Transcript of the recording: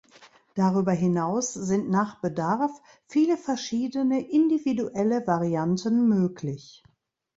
Darüber hinaus sind nach Bedarf viele verschiedene individuelle Varianten möglich.